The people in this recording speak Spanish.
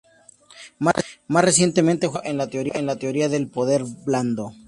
Más recientemente, fue pionero en la teoría del poder blando.